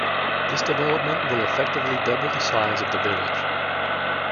This development will effectively double the size of the village.